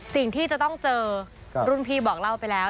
สิ่งที่จะต้องเจอรุ่นพี่บอกเล่าไปแล้ว